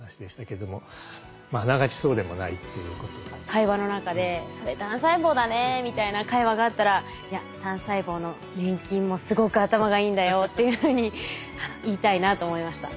会話の中で「それ単細胞だね」みたいな会話があったら「いや単細胞の粘菌もすごく頭がいいんだよ」っていうふうに言いたいなと思いました。